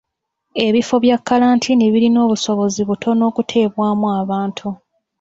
Ebifo bya kkalantiini birina obusobozi butono okuteebwamu abantu.